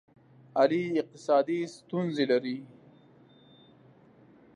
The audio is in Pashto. علي اقتصادي ستونزې لري.